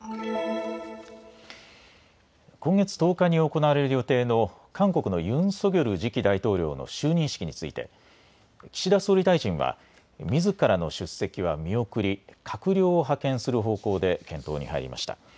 今月１０日に行われる予定の韓国のユン・ソギョル次期大統領の就任式について岸田総理大臣はみずからの出席は見送り、閣僚を派遣する方向で検討に入りました。